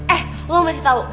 eh lo masih tau